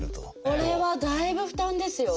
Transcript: これはだいぶ負担ですよ。